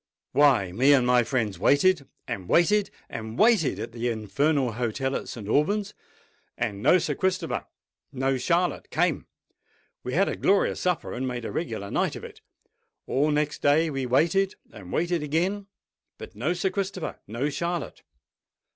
"Why, me and my friends waited—and waited—and waited at the infernal hotel at St. Alban's; and no Sir Christopher—no Charlotte came. We had a glorious supper, and made a regular night of it. All next day we waited—and waited again; but no Sir Christopher—no Charlotte.